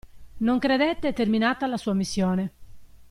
Non credette terminata la sua missione.